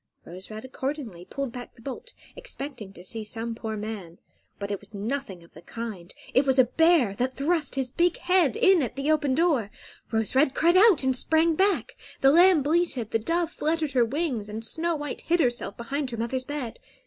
Rose Red accordingly pulled back the bolt, expecting to see some poor man. But it was nothing of the kind; it was a bear, that thrust his big head in at the open door. Rose Red cried out and sprang back, the lamb bleated, the dove fluttered her wings and Snow White hid herself behind her mother's bed.